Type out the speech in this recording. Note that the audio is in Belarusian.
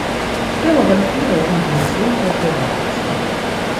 Тэма вампіраў інтэнсіўна развіваецца.